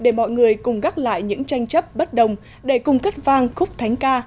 để mọi người cùng gác lại những tranh chấp bất đồng để cùng cất vang khúc thánh ca